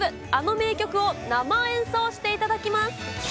あの名曲を生演奏していただきます。